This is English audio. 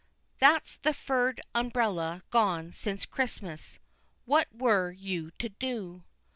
"That's the third umbrella gone since Christmas. _What were you to do?